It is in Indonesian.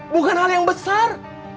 bukan hal yang besar